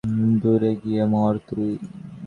দূরে গিয়ে মর তুই!